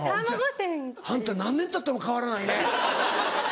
あんた何年たっても変わらないね。